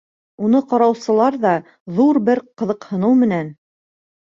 Уны ҡараусылар ҙа ҙур бер ҡыҙыҡһыныу менән: